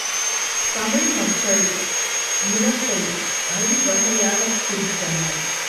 தமிழ் மக்கள் நிலத்தை ஐவகையாகப் பிரித்தனர்.